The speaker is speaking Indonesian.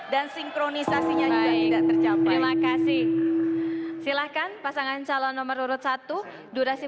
dan sinkronisasinya tidak tercapai makasih silahkan pasangan calon nomor urut satu durasi